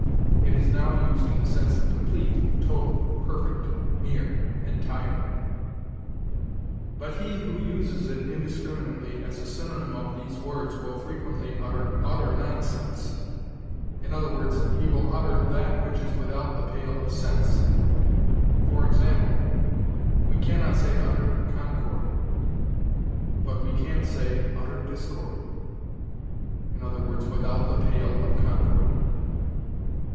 It is now used in the sense of complete, total, perfect, mere, entire; but he who uses it indiscriminately as a synonym of these words will frequently utter utter nonsense i. e., he will utter that which is without the pale of sense. For example, we can not say utter concord, but we can say utter discord i. e., without the pale of concord.